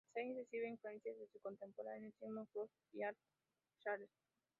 Zweig recibe las influencias de sus contemporáneos, Sigmund Freud y Arthur Schnitzler.